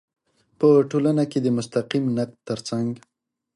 په ټولنه کې د مستقیم نقد تر څنګ